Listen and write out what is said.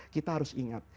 kita harus ingat